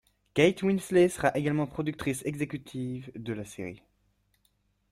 Kate Winslet sera également productrice exécutive de la série.